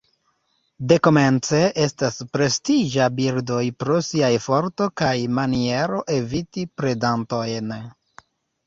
Dekomence estas prestiĝa birdoj pro siaj forto kaj maniero eviti predantojn.